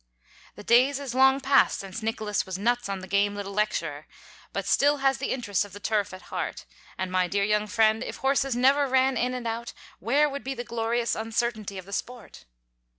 The days is long past since Nicholas was nuts on the game little Lecturer, but still has the interests of the Turf at heart; and, my dear young friend, if horses never ran in and out, where would be "the glorious uncertainty of the sport"?